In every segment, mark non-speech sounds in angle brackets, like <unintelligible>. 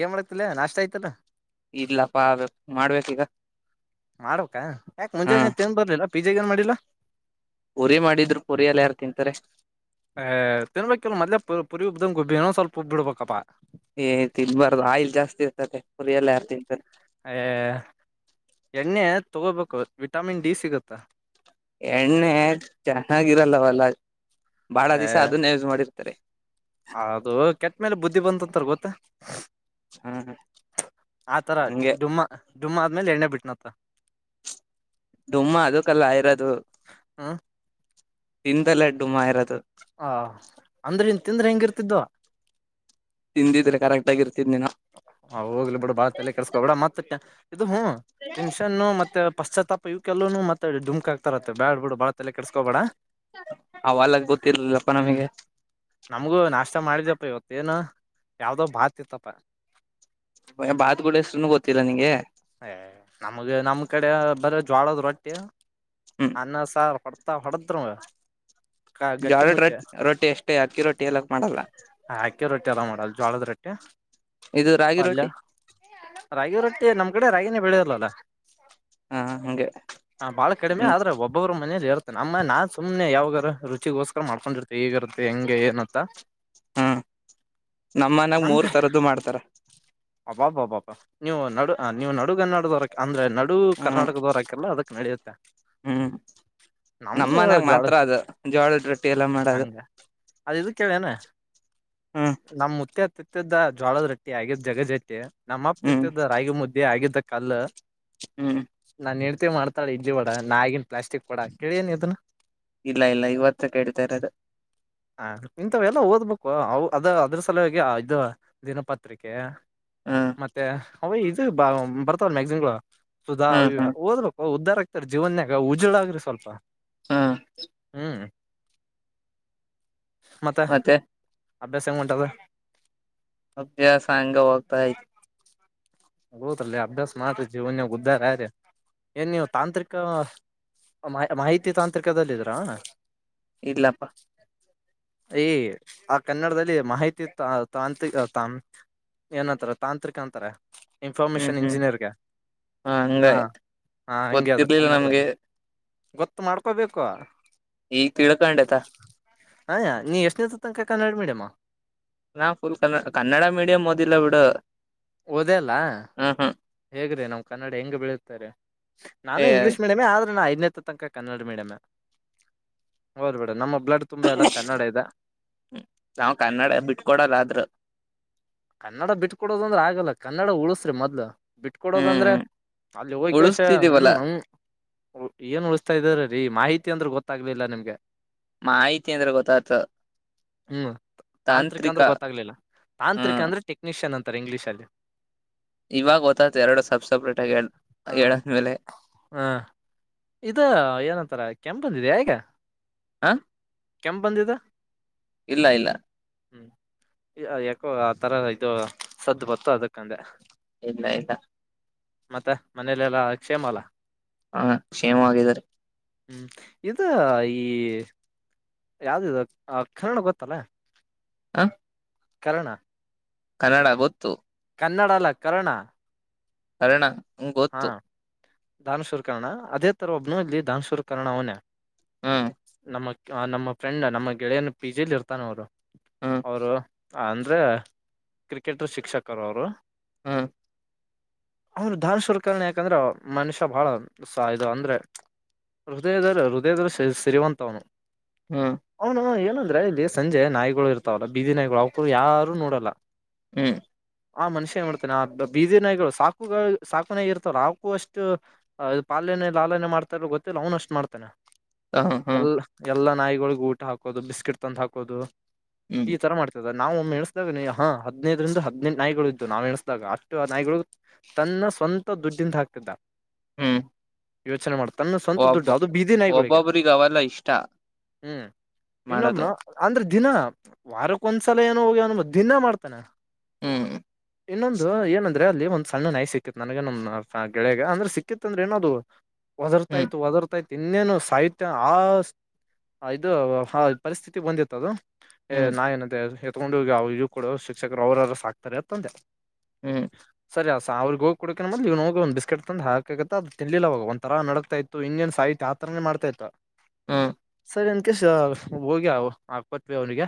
ಏನ್ ಮಾಡತಿಲ್ಲ ನಾಷ್ಟ ಆಯ್ತಲ್ಲ. ಇಡ್ಲಪ್ಪ ಮಾಡ್ಬೇಕ ಈಗ. ಮಾಡಕ ಯಾಕ್ ಮುಂಜಾನೆ ತೇನ್ ಬರ್ಲಿಲ್ಲ ಪಿಜೆ ಏನ್ ಮಾಡಿಲ್ಲಾ. ಪುರಿ ಮಾಡಿದ್ರು ಪುರಿ ಎಲ್ಲ ಯಾರ್ ತಿಂತಾರೆ ಅಹ್ ತಿನ್ಬೇಕಲ್ ಮದ್ಲ ಪುರಿ ಉಬ್ಬಂದ ಗಬ್ಬಿಏನೊ ಸ್ವಲ್ಪ ಉಬ ಬಿಡ್ಬೇಕಪ್ಪಾ. ಏತಿ ಇನ್ಬಾರ್ದ ಆಯಿಲ್ ಜಾಸ್ತಿ ಇರ್ತದೆ ಪುರಿ ಎಲ್ಲ ಯಾರು ತಿಂತಾರೆ. ಎಣ್ಣೆ ತಗೋಬೇಕು ವಿಟಾಮಿನ್ ಡಿ ಸಿಗುತ್ತಾ. ಎಣ್ಣೆ ಚೆನ್ನಾಗಿರಲ್ಲವಲ್ಲ. ಬಾಳ ಅ ದಿವಸ ಅದನ್ನೇ ಯೂಸ್ ಮಾಡಿರ್ತಾರೆ ಅದು ಕೆಟ್ಟ್ಮೇಲೆ ಬುದ್ಧಿ ಬಂದ್ ತ್ತರ್ ಗೊತ್ತಾ. ಹ್ಮ್ ಆ ತರ ಹಂಗೆ ಡುಮ್ಮ ಡುಮ್ಮ ಆದ್ಮೇಲೆ ಎಣ್ಣೆ ಬಿಟ್ಟನಂತ್ತ. ಡುಮ್ಮ ಅದಕ್ಕೆಲ್ಲ ಇರೋದು. ಹ್ಮ್ ತಿಂದಲ್ಲೇ ಡುಮ್ಮ ಇರೋದು. ಹಾ ಅಂದ್ರೆ ಇನ್ ತಿಂದ್ರೆ ಹೆಂಗಿರ್ತಿದ್ದವ. ತಿಂದಿದ್ರೆ ಕರೆಕ್ಟ್ ಆಗ ಇರ್ತಿದ್ನೇನೋ ಹ ಹೋಗ್ಲಿ ಬಿಡ ಭಾತಲ್ಲೇ ಕೆಡಸ್ಕೊಬೇಡ ಮತ್ತ ಇದು ಹ್ ಟೆನ್ಷನ್ನು ಮತ್ತೆ ಪಶ್ಚಾಪ ಇವಕ್ಕೆಲ್ಲೂನು ಮತ್ತೆ ಡುಮಕ ಆಗ್ತರತ್ತ ಬ್ಯಾಡ್ ಬಿ ಬಳತ ಎಲ್ಲ ಕೆಡ್ಸ್ಕೋಬೇಡ ಅವಲಾಗ್ ಗೊತ್ತಿರ್ಲಿಲ್ಲಪ್ಪ ನಮಗೆ ಇ ಮಾಡಿದ್ಯಪ್ಪ ಇವತ್ತೇನ ಯಾವ್ದೋ ಬಾತ್ ಇತ್ತಪ್ಪ <inaudible> ಬಾತ್ಗಳ ಎಷ್ಟರು ಗೊತ್ತಿಲ್ಲಾ ನಿಂಗೆ ಏ ನಮ್ಗೆ ನಮ್ ಕಡೆ ಬರ ಜ್ವಾಳದ್ ರೊಟ್ಟಿ ಹ್ಮ್ ಅನ್ನ ಸಾರ್ ಪಡತಾ ಪಡತರುವ ಜ್ವಡಡ್ ರ ರೊಟ್ಟಿ ಅಷ್ಟೇ ಅಕ್ಕಿ ರೊಟ್ಟಿ ಎಲ್ಲಕ್ ಮಾಡಲ್ಲ ಜೋಳದ ರೋಟ್ಟೆ ಇದು ರಾಗಿ ಪಲ್ಯ ರೊಟ್ಟಿ ರಾಗಿ ರೊಟ್ಟಿ ನಮ್ ಹಾಗನೇ ಬೆಳೆಯೋಲ್ಲಲ್ಲ ಹಾ ಹಂಗೆ ಹ ಬಹಳ ಕಡಿಮೆ, ಹ್ಮ್ ಆದ್ರೆ ಒಬ್ಬೊಬ್ಬ್ರ ಮನೇಲಿ ಹೇಳ್ತೀನಿ. ಆಮೇಲೆ ನಾನ್ ಸುಮ್ನೆ ಯಾವ ಈಗ ರುಚಿಗೋಸ್ಕರ ಮಾಡ್ಕೊಂಡಿರ್ತೆ ಹೇಗಿರುತ್ತೆ ಹೆಂಗೆ ಏನಂತ ಹ್ಮ ನಮ್ಮನಾಗ ಮೂರ್ ತರದ್ದ ಮಾಡ್ತಾರ ಅ ಬ್ಬಾಬ್ಬಬ್ಬಬ ನೀವು ನಡು ಹ ನೀವು ನಡುಗನ್ನಡದವರ? ಅಂದ್ರೆ ನ ಹ್ಮ್ ಕರ್ನಾಟಕದೋರ್ ಹಾಕಲ್ಲ ಅದಕ್ ನಡೆಯುತ್ತೆ ಹ್ಮ್ ನಮ್ದು ನಮ್ಮನ್ಯಾಗ ಜ್ವಾಳ ಮಾತ್ರ ಅದು ಜೋಳದ ರೊಟ್ಟಿ ಎಲ್ಲ ಮಾಡದು ಹಂಗ ಅದ ಇದು ಕೇಳೇನ ಹ್ಮ್ ದ ಜೋಳದ ರೊಟ್ಟಿ ಹಾಗೆ ಜಗದೆತ್ತಿ ನಮ್ಮಪ್ ಹ್ಮ್ ತಿಂತಿದ ರಾಗಿ ಮುದ್ದಿ ಆಗಿದ್ದ ಕಲ್ಲ ಹ್ಮ್ ಮಾಡ್ತಳ ಇಡ್ಲಿ ವಡ. ನಗಿನ್ ಪ್ಲಾಸ್ಟಿಕ್ ವಡ ಕೇಳೇನ್ ನೀ ಅದನ್ನ? ಇಲ್ಲ ಇಲ್ಲ ಇವತ್ತು ಕೇಳತ ಇರದು ಹಾ ಇಂಥವೆಲ್ಲ ಓದ್ಬೇಕು. ಅವ ಅದ ಅದ್ರ ಸಲುವಾಗಿ, ಇದು ದಿನಪತ್ರಿಕೆ ಹ್ಮ್ ಮತ್ತೆ ಅವ ಇದು ಬ ಬರ್ತವ ಮ್ಯಾಗಸಿನ್ಗಳು ಸುಧಾ, ಹ್ಮ್ ಈಗ ಹ್ಮ್ ಓದ್ಬೇಕು ಉದ್ದಾರಕ್ಕೆ ಜೀವನ್ಯಾಗ ಉಜ್ವಲ ಆಗ್ರಿ ಸ್ವಲ್ಪ ಹ್ಮ್ ಹ್ಮ್ ಮತ್ತ ಮತ್ತೆ ಅಭ್ಯಾಸ ಹೆಂಗ ಹೊಂಟದ ಅಭ್ಯಾಸ ಹೆಂಗ ಹೋಗ್ತಾ ಇದೆ ಹೌದಲ್ಲೇ ಅಭ್ಯಾಸ ಮಾಡ್ರಿ, ಜೀವನದಾಗ ಉದ್ಧಾರ ಆಗ್ರಿ, ಏನ್ ನೀವು ತಾಂತ್ರಿಕ ಮಾಹಿತಿ ತಾಂತ್ರಿಕದಲ್ಲಿದ್ರಾ? ಇಲ್ಲಪ್ಪ ಈ ಆ ಕನ್ನಡದಲ್ಲಿ ಮಾಹಿತಿ ತ.. ತಾಂತ್ರಿ.. ತ, ಏನಂತಾರೆ ತಾಂತ್ರಿಕ ಅಂತಾರ ಹ್ಮ್ ಇನ್ಫಾರ್ಮೇಶನ್ ಹ್ಮ್ ಇಂಜಿನಿಯರ್ಗೆ, ಹ ಹಂಗ ಹಾ ಹಾ ಹಂಗೆ ಅದು ಗೊತ್ತಿರ್ಲಿಲ್ಲ ನಮ್ಗೆ ಕನ್ನಡದಲ್ಲಿ ಗೊತ್ತು ಮಾಡ್ಕೊಬೇಕು ಈಗ ತಿಳ್ಕಂಡೆ ತಾ ಅಯ್ಯಾ ನೀ ಎಷ್ಟನೇ ತನಕ ಕನ್ನಡ ಮೀಡಿಯಂ ನಾ ಫುಲ್ ಕನ್ನಡ ಮೀಡಿಯಂ ಓದಿಲ್ಲ ಬಿಡು ಓದೇ ಇಲ್ಲಾ ಹ್ಮ್ ಹ್ಮ್ ಹೇಗ್ರೀ ನಮ್ ಕನ್ನಡ ಹೆಂಗ್ ಬೆಳೆಯುತ್ತೆರಿ? ನಾನು ಏ ಇಂಗ್ಲೀಷ್ ಮೀಡಿಯಮೇ ಆದ ಐದ್ನೇದು ತನಕ ಕನ್ನಡ ಮೀಡಿಯಮೇ. ಓದ್ಬೇಡ ನಮ್ಮ ಬ್ಲಡ್ ತುಂಬಾ ಎಲ್ಲ ಕನ್ನಡ ಇದೆ ನಾವ್ ಕನ್ನಡ ಬಿಟ್ಕೊಡಲ್ಲ ಆದ್ರ ಕನ್ನಡ ಬಿಟ್ಕೊಡೋದಂದ್ರ ಆಗಲ್ಲ. ಕನ್ನಡ ಉಳಸ್ರಿ ಮೊದ್ಲು. ಬಿಟ್ ಕೊಡೋದಂದ್ರೆ ಹ್ಮ್ ಅಲ್ಲಿ ಹೋಗಕಷ ಹ್ಮ ಉಳಿಸ್ತಿದೀವಲ್ಲ ನ ಏನ್ ಉಳಿಸತಾ ಇದಾರ ರೀ ಮಾಹಿತಿ ಅಂದ್ರೂ ಗೊತ್ತಾಗ್ಲಿಲ್ಲ ನಿಮ್ಗೆ ಮಾಹಿತಿ ಅಂದ್ರೆ ಗೊತ್ತತ ಹ್ಮ್ ತಾಂತ್ರಿಕ ಅಂದ್ರೆ ಗೊತ್ತಾಗ್ಲಿಲ್ಲ ತಾಂತ್ರಿಕ ಹ್ಮ ಅಂದ್ರೆ ಟೆಕ್ನಿಷಿಯನ್ ಅಂತಾರೆ ಇಂಗ್ಲೀಷ ಅಲ್ಲಿ ಇವಾಗ ಗೊತ್ತಾಯ್ತು ಎರಡು ಸಬ್ಸಪ್ರೇಟ್ ಆಗಿ ಹ್ಮ್ ಹೇಳಾದ್ಮೇಲೆ ಹ ಇದ ಏನಂತಾರ ಕೆಂಪ್ ಬಂದಿದೆ ಆ ಈಗ ಹ ಕಕೆಂಪಾದ ಇದು ಇಲ್ಲ ಇಲ್ಲ ಹ್ಮ್ ಯ ಆ ತರ ಇದು ಸದ್ದು ಬತ್ತು ಅದಕ್ಕಂದೆ ಇಲ್ಲ ಇಲ್ಲ ಮತ್ತ ಮನೇಲೆಲ್ಲಾ ಕ್ಷೇಮ ಅಲ್ಲ ಹ ಕ್ಷೇಮ ಆಗಿದ್ದಾರೆ ಹ್ಮ್ ಇ ಈ ಯಾವ್ದ ಆ ಕನ್ನಡ ಗೊತ್ತಲ್ಲ ಹ <unintelligible> ಕರ್ಣ ಕನ್ನಡ ಗೊತ್ತು ಕನ್ನಡ ಕರ್ಣ ಕರ್ಣ ಹೂ ಗೊತ್ತು ಧನಶೂರ ಕರ್ಣ ಅದೇ ತರ ಒಬ್ಬನು ಇಲ್ಲಿ ಧನಶೂರ ಕರ್ಣ ಅವನೇ ಹ್ಮ್ ನಮ ನಮ್ಮ ಫ್ರೆಂಡ್ ನಮ್ಮ ಗೆಳೆಯನ್ ಪಿ ಜಿಲಿ ಇರ್ತಾನ ಅವರು ಹ್ಮ್ ಅವರು ಅಂದ್ರೆ ಕ್ರಿಕೆಟ್ ಶಿಕ್ಷಕರು ಅವರು. ಹ್ಮ್ ಅವರು ಧಾನ <unintelligible> ವಕರಣ ಯಾಕಂದ್ರ ಮನುಷ್ಯ ಬಹಳ ಸ ಇದು ಅಂದ್ರೆ ಹೃದಯದ ಹೃದಯದ್ರ ಸಿರಿ ಸಿರಿವಂತವ್ನು. ಹ್ಮ್ <unintelligible> ಹೇಳ <unintelligible> ಅಂದ್ರೆ ಇಲ್ಲಿ ಸಂಜೆ ನಾಯ್ಗಳು ಇರ್ತಾವಲ್ಲ ಬೀದಿ ನಾಯಿಗಳು ಅವ್ಕರು ಯಾರು ನೋಡಲ್ಲ. ಹ್ಮ್ ಆ ಮನುಷ್ಯ ಏನ್ ಮಾಡ್ತಾನ ಆ ಬೀದಿ ನಾಯಿಗಳು ಸಾಕುಗಳು ಸಾಕು ಇರ್ತಾರ ಅವಕು ಅಷ್ಟ್ ಪಾಲನೆ ಲಾಲನೆ ಮಾಡ್ತಾರ ಗೊತ್ತಿಲ್ಲ ಅವನು ಅಷ್ಟು ಮಾಡ್ತಾನೆ. ಹ್ಮ್ ಹ್ಮ್ ಎಲ್ಲ ಎಲ್ಲ ನಾಯಿಗಳಗ ಊಟ ಹಾಕೋದು ಬಿಸ್ಕಿಟ್ ತಂದು ಹಾಕೋದು. ಹ್ಮ್ ಈ ತರ ಮಾಡ್ತದೆ ನಾವು ಎಣಸ್ದಿದಾಗ ಹಾ ಹದಿನೈದು ರಿಂದ ಹದಿನೆಂಟ್ ನಾಯಿಗಳು ಇದ್ದತ್ತು ನಾ್ ಎಣಸ್ದಾಗ ಅಷ್ಟು ಆ ನಾಯಿಗಳು ತನ್ನ ಸ್ವಂತ. ದ <unintelligible> ತಂದ ಹಾಕತಿದ. ಹ್ಮ್ ಯೋಚನೆ ಮಾಡ. ತನ್ನ ಸ್ವಂತ ಒಬ್ಬ ದುಡ್ಡು ಅದು ಬೀದಿ ನಾಯಿಗಳಗ. ಒಬ್ಬೊಬ್ರಿಗೆ ಅವೆಲ್ಲ ಇಷ್ಟ ಹ್ಮ್, ಮಾಡೋದು ಇನ್ನೊಬ್ನು ಅಂದ್ರೆ ದಿನ, ವಾರಕ್ಕ ಒಂದ್ಸಲ ಏನೋ ಹೋಗ್ಯಾನು <unintelligible> ದಿನ ಮಾಡ್ತಾನ? ಹ್ಮ್ ಇನ್ನೊಂದು ಏನಂದ್ರೆ, ಅಲ್ಲಿ ಒಂದು ಸಣ್ಣ ನಾಯಿ ಸಿಕ್ಕಿತು ನಂಗ <unintelligible> ನನ ನಮ್ ಗೆಳೆಯಗ, ಅಂದ್ರೆ ಸಿಕ್ಕಿತ್ಂದ್ರೆ ಏನ ಅದು ಹ್ಮ್ ಒದರ್ತಾಇತ್ತು ಒದರ್ತಾಯತು ಇನ್ನೇನು ಸಾಯುತ್ತೇ, ಆಷ್ಟ್ ಆ ಇದು ಪರಿಸ್ಥಿತಿಗೆ ಬಂದಿತ್ತು ಅದು. ಏ ಹ್ಮ್ <unintelligible> ತೊಗೊಂಡ ಹೋಗಿ, ಅವು ಇದು ಕೊಡು ಶಿಕ್ಷಕರು ಅವ್ರಾರ ಸಾಕ್ತಾರೆ ಅತ್ತ ಅಂದೇ. ಹ್ಮ್ ಸರಿ ಆ ಆವರ್ಗು ಕುಡಕ ಮದ್ <unintelligible> ಇವನ್ ಹೋಗ ಒಂದ ಬಿಸ್ಕೆಟ್ ತಂದು ಹಾಕ್ಲಿಕತ. ಅದು ತಿನ್ಲಿಲ್ಲವಾಗ, ಒಂದ ತರ ನಡಗ್ತಾ ಇತ್ತು, ಇನ್ನೇನ್ ಸಾಯತ್ತೆ ಆತರನೇ ಮಾಡತ ಇತ್ತು.. ಹ್ಮ ಅ ಇನ್ ಕೆಸ <unintelligible> ಹೋಗ್ಯವು ಹಾಕ್ಕೊಟ್ವಿ ಅವ್ನಿಗೆ.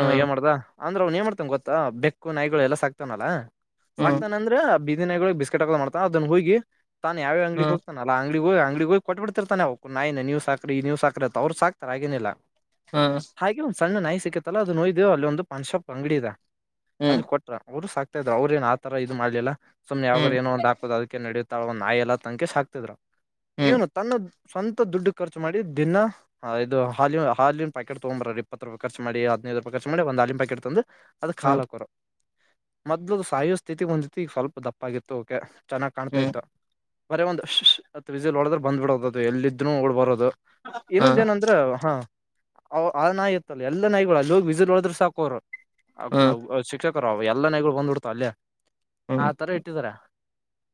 ಹ್ಮ್ ಏ ಹ್ಮ್ ಮಾಡ್ದ? ಅಂದ್ರೆ, ಅವ್ನ್ ಏನ್ ಮಾಡ್ತಾನ ಗೊತ್ತಾ? ಬೆಕ್ಕು ನಾಯಿಗಳು ಎಲ್ಲ ಸಾಕ್ತನಲ್ಲಾ ಸಾಕ್ತಾನ ಅಂದ್ರ, ಬೀ ದಿನಗಳು ಬಿಸ್ಕೆಟ್ ಹಾಕ್ತ ಮಾಡತ ಅದನ ಹೋಗಿ ತಾನ ಯಾವ್ ಯಾವ್ ಅಂಗಡಿ ಹ್ಮ್ ಹೋಗತಾನ ಅಲಾ ಅಂಗಡಿಗ್ ಹೋಗ್ ಅಂಗಡಿಗ್ ಹೋಗ್ ಕೊಟ್ ಬಿಡ್ತಿರ್ತಾನೆ ಅವ ನಾಯ್ನಾ ನೀವು ಸಾಕ್ರೀ ನೀವು ಸಾಕ್ರೀ ಅಂತ, ಅವ್ರು ಸಾಕ್ತಾರೆ ಹಾಗೇನಿಲ್ಲ. ಹ್ಮ ಹಾಗೆ ಒಂದ್ ಸಣ್ಣ ನಾಯ್ ಸಿಕ್ಕತ್ತಲ್ಲ ಅದನ್ ಒಯ್ದೇವು, ಅಲ್ಲಿ ಒಂದು ಪಾನ್ಶಾಪ್ ಅಂಗಡಿ ಅದ ಹ್ಮ್ ಅಲ್ಲಿ ಕೊಟ್ರ, ಅವರು ಸಾಕ್ <unintelligible> ಅವ್ರೇನ್ ಆತರ ಇದು ಮಾಡ್ಲಿಲ್ಲ. ಸುಮ್ನ್ ಯಾವಾಗರು ಹ್ಮ್ ಏನೋ ಒಂದ್ ಆತದೆ, ಅದಕ್ಕೆ ನಡದು <unintelligible> ಳ <unintelligible> ನಾಯ ಎಲ್ಲ ತಂಕಿ ಸಾಕ್ತಿದ್ರು. ಹ್ಮ್ ಹ್ಮ್ ಹ್ಮ್ ಹ್ಮ್ ಹ್ಮ್ ಏನು ತನ್ನ <unintelligible> ಸ್ವಂತ ದುಡ್ ಖರ್ಚು ಮಾಡಿ ದಿನ ಆ ಇದು ಹಾಲಿನ ಹಾಲಿನ ಪ್ಯಾಕಟ್ ತಗೊಂಬರರ್ರೀ, ಇಪ್ಪತ್ತು ರೂಪಾಯಿ ಖರ್ಚ ಮಾಡಿ ಹದಿನೈದು ರೂಪಾಯಿ ಖರ್ಚ ಮಾಡಿ ಒಂದು ಹಾಲಿನ ಪ್ಯಾಕೆಟ್ ತಂದು ಅದಕ್ ಹಾಲ್ಹಕೋರು ಮೊದ್ಲು ಸಾಯೋ ಸ್ಥಿತಿ ಹೊಂದಿತ್, ಈಗ ಸ್ವಲ್ಪ ದಪ್ಪ ಪ್ಪಾಗಿತ್ತು ಓಕೆ ಚೆನ್ನಾಗ್ ಕಾಣ್ತಾ ಇತ್ತು. ಬರೇ ಒಂದ್ <unintelligible> ಅಂತ್ ವಿಸಿಲ್ ಹೊಡೆದರೆ ಬಂದ್ ಬಿಡೋದ, ಅದು ಎಲ್ಲ ಇದ್ರು ಓಡ್ ಬರೋದು ಇನ್ನೊಂದ್ ಏನಂದ್ರ, ಹಾ ಆ ಆ ನಾಯ ಇತ್ತಲ್ಲ, ಎಲ್ಲಾ ನಾಯಿಗಳು ಅಲ್ಲೊಗ್ ವಿಶಿಲ್ ಹೊಡದ್ರು ಸಾಕು ಅವ್ರು ಶಿಕ್ಷ <unintelligible> ಅವ ಎಲ್ಲ ನೆಗಳು ಬಂದಿಡ್ತ ಅಲ್ಲೇ. ಹ್ಮ. ಆ ತರ ಇಟ್ಟಿದಾರ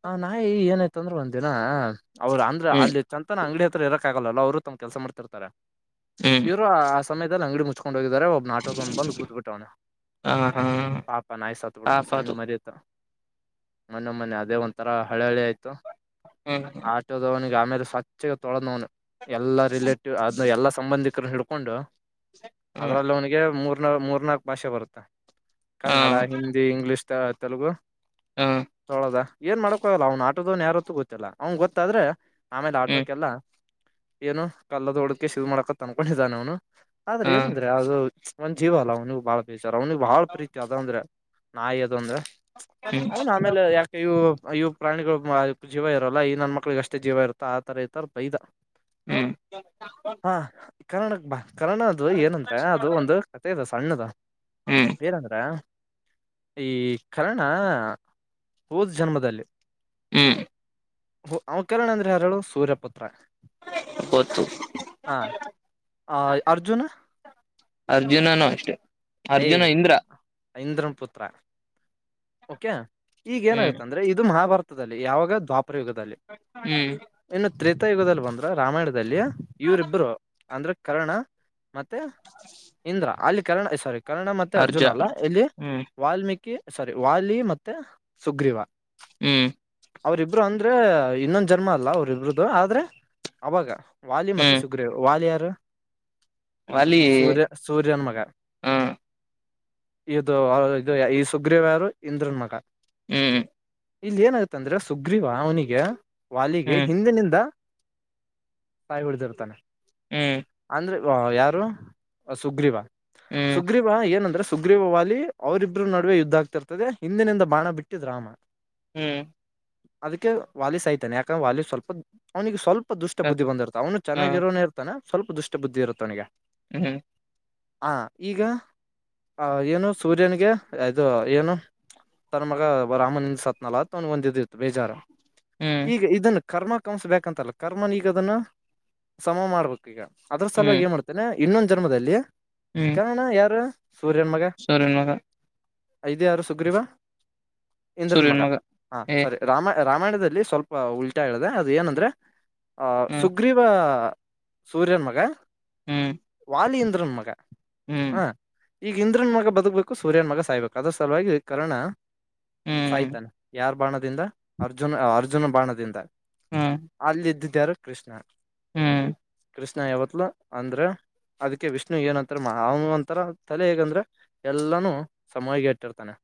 ಹ ನಾಯಿ ಏನಯತ ಅಂದ್ರೆ ಒಂದಿನ. ಅವ್ರ ಅಂದ್ರ ಅಲ್ಲಿ ಹೆ ಚ ಅಂತ ಅಂಗ್ಡಿಯ. ಇರಕ್ಕಗಲ್ಲ ಅವರು ತಮ್ ಕೆಲಸ ಮಾಡ್ತಿರ್ತಾರೆ. ಇವರು. ಸಮಯದಲ್ಲಿ ಅಂಗಡಿ ಮುಚ್ಕೊಂಡು. <unintelligible> ಗ ಒಬ್ನ ಆಟೋದವನು ಬಂದು ಕೂತ್ಬಿಟ್ಟವಣ್ಣ ಹ ಪಾಪ ನಾಯ್ ಸತ್ ಹಾ ಬಿಡ್ತು ಸಣ್ಣ ಪಾಪದು ಮರಿಯತ. ಮೊನೆೆ ಮೊನೆ ಅದೇ ಒಂಂತರ ಹಳೆ ಹಳಿ ಆಯ್ತು. ಹ್ಮ್ ಹ್ಮ್ ಆ ಆಟೋ ತವ ನೀ ಗಾಮ. ಸಚ್ಚಿಗೆ ತೊಳೋನು. ಎಲ್ಲಾ ರಿಲೇಟಿವ್ ಅದನ್ನ ಎಲ್ಲಾ ಸಂಬಂಧಿ. ಹಿಡ್ಕೊಂಡು. ಹ್ಮ್ ಅದ್ರಲ್ಲಿ ಅವನಿಗೆ ಮೂರು. ಮೂರ್ನಾಲ್ಕ್ ಭಾಷೆ ಬರುತ್ತಾ. ಕನ್ನಡ ಹಿಂದಿ ಇಂಗ್ಲಿಷ್. ತೆಲುಗು. ಹ್ಮ್ ಹ್ಮ್ ತಳದಾ. ಏನ್ ಮಾಡ್ಕೊಲ್ಲ ಅವ್ನ ಆಟೋದವನ್ ಯಾರತ್ತೂ ಗೊತ್ತಲ್ಲ ಅವ್ನ ಗೊತ್ತಾದ್ರೆ. ಆಮೇಲೆ ಆಟೋಕ್ಕೆಲ್ಲ. ಏನು ಕಲ್ಲದೋಡಕ್ಕೆ ಶುರು ಮಾಡಕ ತನ್ಕೊಂಡಿದ್ದ ಅವನು ಆದ್ರೆ ಹ್ಮ್ ಏನಂದ್ರೆ ಅದು ಒಂದ ಜೀವಲ್ಲ ಅವನುಗ ಬಾಳ ಬೇ ಅವ್ನಿಗೆ ಬಾಳ ಪ್ರೀತಿ ಅದ ಅಂದ್ರೆ ನಾಯ ಅದೊಂದ್ರ ಹ್ಮ್ ಅವನ್ ಆಮೇಲೆ ಯಾಕ ಇವು ಅವು ಪ್ರಾಣಿಗಳು ಜೀವ ಇರಲ್ಲ ಈ ನನ್ ಮಕ್ಳಿಗೆ ಅಷ್ಟೇ ಜೀವ ಇರುತ್ತೋ ಆ ತರ ಈತರ ಬೈದ ಹ್ಮ್ ಕರ್ನಾಟಕ ಭಾ <unintelligible> ಕನ್ನಣ ಅದು ಏನಂದ್ರೆ ಅದು ಒಂದು ಕಥೆ ದಸ ಪಣ್ಣದ ಹ್ಮ್ ಏರಂದ್ರ ಈ ಕರ <unintelligible> ಹಾ ಹೂದ್ ಜನ್ಮದಲ್ಲಿ ಹ್ಮ್ ಹ ಅವ್ ಕರಣ ಅಂದ್ರೆ ಯಾರ್ ಹೇಳು ಸೂರ್ಯಪುತ್ರ ಗೊತ್ತು ಹ ಅರ್ಜುನ ಅರ್ಜುನನು ಅಷ್ಟೆ ಅರ್ಜುನ ಇಂದ್ರ ಐಂದ್ರನ್ಪುತ್ರ ಓಕೆ ಈಗ ಹ್ಮ್ ಏನಾಗುತ್ತ ಅಂದ್ರೆ ಇದು ಮಹಭಾರತ ದಲಿ ಯಾವಾಗ ದ್ಪ ಪ್ರಯೋಗದಲಿ ಹ್ಮ್ ಏನ್ ತ್ರೆತಾ ಯುಗದಲ್ ಬಂದ್ರೆ ರಾಮಾಯಣದಲ್ಲಿ ಇವರಿಬ್ಬರು ಅಂದ್ರೆ ಕರ್ಣ ಮತ್ತೆ ಇಂದ್ರ ಅಲ್ಲಿ ಕರ್ಣ ಸೊರಿ ಕನ್ನಡ ಮತ್ತೆ ಅರ್ಜ ಅರ್ಜುನ ಅಲ್ಲ ಇಲ್ಲಿ ಹ್ಮ್ ವಾಲ್ಮೀಕಿ ಸರಿ ವಾಲಿ ಮತ್ತೆ ಸುಗ್ರೀವ ಹ್ಮ್ ಅವರಿಬ್ರು ಅಂದ್ರೆ ಇನ್ನೊಂದ್ ಜನ್ಮ ಅಲ್ಲ ಅವ್ರಿಬ್ರದು ಆದ್ರೆ ಅವಾಗ ವಾಲಿ ಮತ್ತು ಹ್ಮ್ ಸುಗ್ರೀ ವಾಲಿಯರ್ ಡ್ರ ವಾಲಿ ಹ ಇದು ಆ ಇದು ಸ ಸುಗ್ರೀವ ಯಾರು ಇಂದ್ರನ್ ಮಗ ಹ್ಮ್ ಇಲ್ ಏನಾಗತ್ತಂದ್ರೆ ಸುಗ್ರೀವ ಅವ್ನಿಗೆ ವಾಲಿಗೆ ಹ್ಮ್ ಹಿಂದಿನಿಂದ ಸಾಯುಗಡ್ ಇರ್ದಿತನ್ ಹ್ಮ್ ಅಂದ್ರೆ ದ್ವಾ ಯಾರು ಸುಗ್ರೀವ ಹ್ಮ್ ಸುಗ್ರೀವ ಏನಂದ್ರ ಸುಗ್ರಿವ ವಾಲಿ ಅವರಿಬ್ಬರು ನಡುವೆ ಯುದ್ ಇದಾಗ್ತಿರ್ತದೆ ಹಿಂದಿನಿಂದ ಬಾಣ ಬಿಟ್ಟಿದ್ ರಾಮ ಹ್ಮ್ ಅದಕ್ಕೆ ವಾಲಿಸ್ ಸಾಯ್ತಾನೆ ಯಾಕಂದ್ರೆ ವಾಲಿಸ್ ಸ್ವಲ್ಪ ಅವ್ನಿಗೆ ಸ್ವಲ್ ಸ್ವಪ್ ದುಷ್ಟ ಹ ಬುದ್ಧಿ ಬಂದಿರುತ್ತೆ ಅವನು ಚೆನ್ನಾಗಿರೋನೇ ಇರ್ತಾನ ಸ್ವಲ್ಪ ದುಷ್ಟುದ್ಧಿ ಇರುತ್ ಅವನ್ಗೆ ಹ್ಮ್ ಹ ಈಗ ಆ ಏನು ಸೂರ್ಯನ್ಗೆ ಇದು ಏನು ತನ್ ಮಗ ರಾಮನಿಂದ ಸತ್ನಲತ್ ಒನ ಒಂದಿದಿತ್ತು ಬೇಜಾರು ಈಗ ಇದನ್ ಕರ್ಮ ಕಮಿಸ್ಬೇಕಂತಲ್ಲ ಕರ್ಮ ನೀಗ ಅದನ್ನು ಸಮ ಮಾಡ್ಬೇಕ್ ಈಗ ಅದ್ರ ಹ್ಮ್ ಹ್ಮ್ ಸಲುವಾಗಿ ಏನ್ ಮಾಡ್ತೇನೆ ಇನ್ನೊಂದು ಜನ್ಮದಲ್ಲಿ ಹ್ಮ್ ಕಾರಣ ಯಾರು ಸೂರ್ಯನ್ ಮಗ ಸೂರ್ಯನ್ ಮಗ ಐದ ಯಾರು ಸುಗ್ರೀವ ಇಂದ್ರನ್ ಮಗ ಹಾ ಏ ಸರಿ ರಾಮ ರಾಮಾಯಣದಲ್ಲಿ ಸ್ವಲ್ಪ ಉಲ್ಟ ಏಳಿದೆ ಅದು ಏನಂದ್ರೆ ಆ ಹ್ಮ್ ಸುಗ್ರೀವ ಸೂರ್ಯನ ಮಗ ಹ್ಮ್ ವಾಲಿ ಇಂದ್ರನ ಮಗ ಹ್ಮ್ ಹ ಈಗ ಇಂದ್ರನ್ ಮಗ ಬದುಕ್ಬೇಕು ಸೂರ್ಯನ್ ಮಗ ಸಾಯ್ಬೇಕು ಅದ ಸಲುವಾಗಿ ಕರ್ಣ ಹ್ಮ್ ಸಾಯ್ತಾನ ಯಾರ್ ಬಾಣದಿಂದ ಅರ್ಜುನ್ ಅರ್ಜುನ್ ಬಾಣದಿಂದ ಹ್ಮ್ ಅಲ್ಲಿದದು ಇದ್ಯಾರ ಕೃಷ್ಣ ಹ್ಮ್ ಕೃಷ್ಣ ಯಾವತ್ತುಲು ಅಂದರ ಅದಕ್ಕೆ ವಿಷ್ಣು ಏನಂತಾರೆ ಮಾವು ಅಂತರ ತಲೆ ಹೇಗಂದರೆ ಎಲ್ಲೂನು ಸಮಯಗೆ ಗೆಟ್ಟಿರ್ತಾನೆ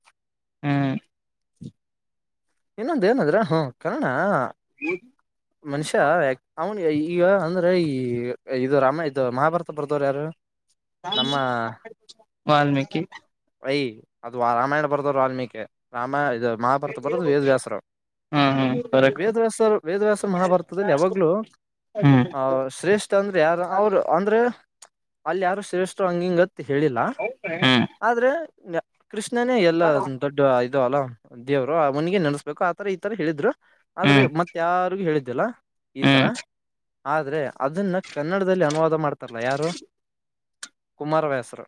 ಹ್ಮ್ ಗ್ಲ್ ಇನ್ನೊಂದ ಏನಾದ್ರ ಹ ಕರ್ಣ ಮನುಷ್ಯ ಅವ ಈಗ ಅಂದ್ರೆ ಈ ಇದು ರಾಮ ಇದು ಮಹಾಭಾರತ ಬರ್ದವ್ರು ಯಾರು ಹೇಳಿ ವಾಲ್ಮೀಕಿ ಐ ಅದು ಆ ರಾಮಾಯಣ ಬರ್ದವ್ರು ವಾಲ್ಮೀಕಿ ರಾಮ ಇದ ಮಾಭಾರತ ಬರದು ವೇದವ್ಯಾಸರ ಹ್ಮ್ ಹ್ಮ್ ಕರೆಕ್ಟ್ ವೇದವ್ಯಾಸರ ವೇದವ್ಯಾಸರ ಮಹಾಭಾರತದಲ್ಲಿ ಯಾವಾಗಲೂ ಹ್ಮ್ ಶ್ರೇಷ್ಠ ಅಂದ್ರೆ ಯಾರ ಅವರು ಅಂದ್ರೆ ಅಲ್ಲಿ ಯಾರು ಶ್ರೇಷ್ಟರು ಹಂಗಿಂಗತ್ ಹೇಳಿಲ್ಲ ಹ್ಮ್ ಆದ್ರೆ ನೆ <unintelligible> ಕೃಷ್ಣನೇ ಎಲ್ಲ ದೊಡ್ಡ ಲ್ಲ <unintelligible> ದದು <unintelligible> ಅವನಿಗೆ ನೆಸ್ಬೇಕು ಆತರ ಈ ತರ ಹೇಳಿದ್ರು ಆದ್ರೆ ಹ್ಮ್ ಮತ್ತ ಯಾರಿಗು ಹೇಳಿದ ಲ್ಲ <unintelligible> ಈ ತರ ಹ್ಮ್ ಆದ್ರೆ ಅದನ್ನ ಕನ್ನಡದಲ್ಲಿ ಅನುವಾದ ಮಾಡ್ತಾರಲ್ಲ ಯಾರು ಕುಮಾರ ವ್ಯಸ್ರು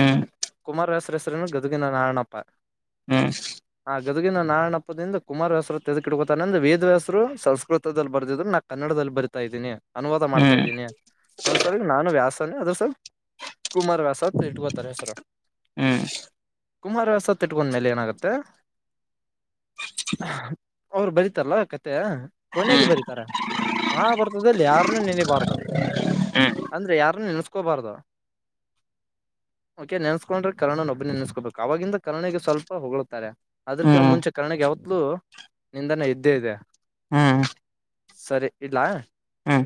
ಹ್ಮ್ ಹ್ಮ್ ಕುಮಾರ್ ವ್ಯಾಸ ಗದಗಿನ ನಾರಾಯಣಪ್ಪ ಹ್ಮ್ ಗದಗಿನ ನಾಯಣಪ್ಪದಿಂದ ಕುಮಾರ್ ವ್ಯಾಸರು ಎಂದು ಎದುಕಾ ಇಟ್ಕೊಂತಾನೆ ಅಂದ್ರೆ ವೇದವ್ಯಾಸರು ಸಂಸ್ಕೃತದಲ್ಲಿ ಬರ್ದಿದ್ ನಾ ಕನ್ನಡದಲ್ಲಿ ಬರಿತಾ ಇದೀನಿ ಅನುವಾದ ಹ್ಮ್ ಮಾಡ್ತಾ ಹ್ಮ್ ಇದ್ದೀನಿ ಅದ ಸಲುವಾಗಿ ನಾನು ವ್ಯಾಸ ಅದ್ರ ಸಲ್ ಕುಮಾರ್ ವ್ಯಾಸ ಅಂತ ಇಟ್ಕೋತಾರೆ ಹೆಸರು ಹ್ಮ್ ಕುಮಾರ ವ್ಯಾಸ ಅಂತ ಇಟ್ಕೊಂಡ್ಮೇಲೆ ಏನಾಗುತ್ತೆ ಅವರು ಬರೀತಾರಲ್ಲ ಕತೆ ಕೊನೆಗೆ ಬರೀತಾರೆ ಮಹಾಭಾರತದಲ್ಲಿ ಯಾರನ್ನೂ ನೆನಬಾರ್ದು ಅಂದ್ರೆ ಯಾರನ್ನ ನೆನೆಸ್ಕೋಬಾರ್ದು ಓಕೆ ನೆನ್ಸ್ಕೊಂಡ್ರೆ ಕರುಣನೊಬ್ಬನ ನೆನೆಸ್ಕೋಬೇಕು ಅವಾಗಿಂದ ಕರುಣಗ ಸ್ವಲ್ಪ ಹೊಗಳುತ್ತಾರೆ ಅದ್ರಕಿನ ಹ್ಮ್ ಮುಂಚೆ ಕರ್ಣಗೆ ಯಾವತ್ತುಲೂ ನಿಂದಾನೇ ಇದ್ದೇ ಇದೆ ಹ್ಮ್ ಸರಿ ಈಡ್ಲಾ ಹ್ಮ್